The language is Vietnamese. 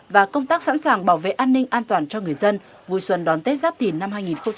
và công tác sẵn sàng bảo vệ an ninh an toàn cho người dân vui xuân đón tết giáp thìn năm hai nghìn hai mươi bốn